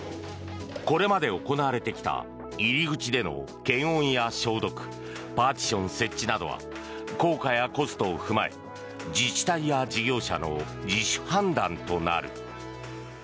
これまで行われてきた入り口での検温や消毒パーティション設置などは効果やコストを踏まえ自治体や事業者の自主判断となる。